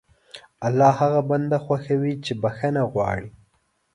الله هغه بنده خوښوي چې بښنه غواړي.